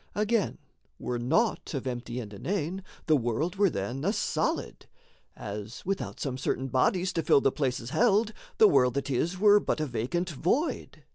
Again, were naught of empty and inane, The world were then a solid; as, without Some certain bodies to fill the places held, The world that is were but a vacant void.